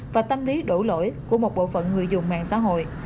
và tâm lý đổ lỗi của một bộ phận người dùng mạng xã hội